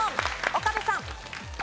岡部さん。